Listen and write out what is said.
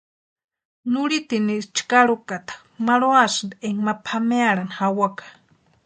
Nurhiteni chkarhukata marhuasïnti énka ma pʼamearhani jawaka.